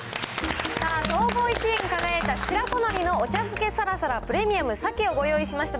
さあ、総合１位に輝いた白子のりのお茶漬けサラサラプレミアム鮭をご用意しました。